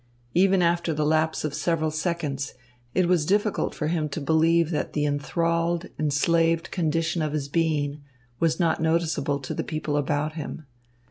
Even after the lapse of several seconds, it was difficult for him to believe that the enthralled, enslaved condition of his being was not noticeable to the people about him.